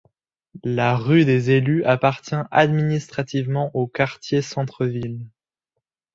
La rue des Élus appartient administrativement au quartier centre-ville.